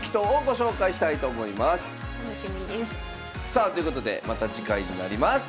さあということでまた次回になります。